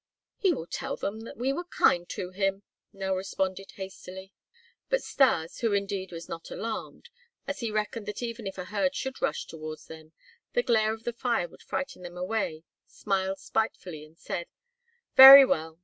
"He will tell them that we were kind to him," Nell responded hastily. But Stas, who indeed was not alarmed, as he reckoned that even if a herd should rush towards them, the glare of the fire would frighten them away, smiled spitefully and said: "Very well!